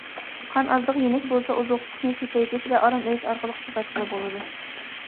قان ئازلىق يېنىك بولسا ئوزۇقلۇقنى كۈچەيتىش ۋە ئارام ئېلىش ئارقىلىق ساقايتقىلى بولىدۇ.